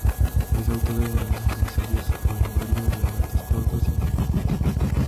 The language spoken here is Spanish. Es autor de numerosos ensayos, poemarios, relatos cortos y monografías.